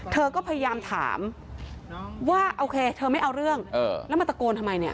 เธอก็พยายามถามว่าโอเคเธอไม่เอาเรื่องแล้วมาตะโกนทำไมเนี่ย